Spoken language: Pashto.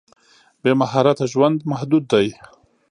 بې مهارت ژوند محدود دی.